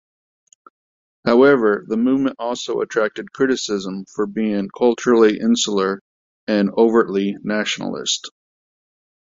However, the movement also attracted criticism for being culturally insular and overtly nationalist.